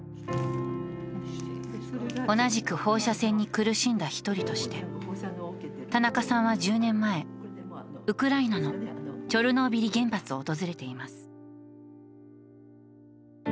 同じく放射線に苦しんだ一人として、田中さんは１０年前、ウクライナのチョルノービリ原発を訪れています。